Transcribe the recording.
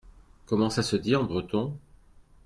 Comment ça se dit en breton ?